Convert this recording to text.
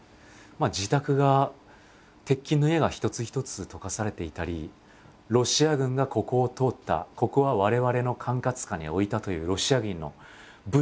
自宅が鉄筋の家が一つ一つ溶かされていたりロシア軍がここを通ったここは我々の管轄下に置いたというロシア軍の「Ｖ」「Ｚ」「Ｏ」